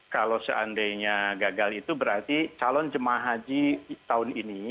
kalau seandainya gagal itu berarti calon jemaah haji tahun ini